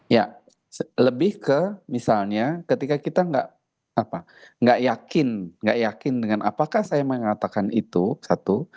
ya lebih ke misalnya ketika kita nggak yakin nggak yakin dengan apakah saya mengatakan itu satu